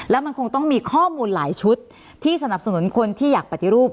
แล้วมันคงต้องมีข้อมูลหลายชุดที่สนับสนุนคนที่อยากปฏิรูป